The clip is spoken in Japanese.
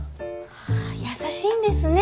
優しいんですね。